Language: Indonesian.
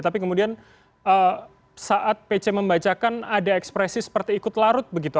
tapi kemudian saat pc membacakan ada ekspresi seperti ikut larut begitu